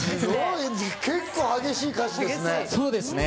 結構激しい歌詞ですね。